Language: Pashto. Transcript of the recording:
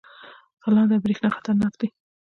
تالنده او برېښنا خطرناک دي؟